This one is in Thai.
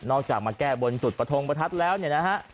นอกจากมาแก้บนจุดปฐมปฐัสแล้วไงนะฮะ